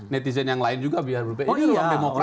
netizen yang lain juga biar berpeda ini loh